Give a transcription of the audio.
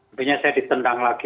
akhirnya saya ditendang lagi